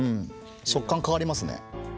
食感変わりますね。